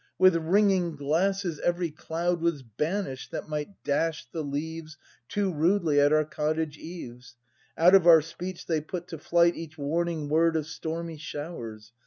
With ringing glasses every cloud Was banish'd that might dash the leaves Too rudely at our cottage eaves. Out of our speech they put to flight Each warning word of stormy showers.